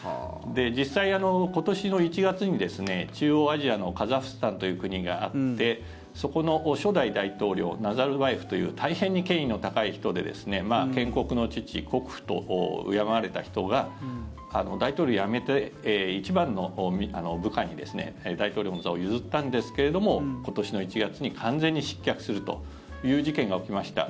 実際、今年の１月に中央アジアのカザフスタンという国があってそこの初代大統領ナザルバエフという大変に権威の高い人で建国の父、国父と敬われた人が大統領辞めて、一番の部下に大統領の座を譲ったんですけども今年の１月に完全に失脚するという事件が起きました。